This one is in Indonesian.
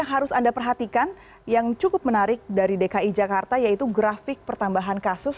yang harus anda perhatikan yang cukup menarik dari dki jakarta yaitu grafik pertambahan kasus